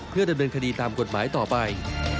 เพื่อดำเนินคดีตามกฎหมายต่อไป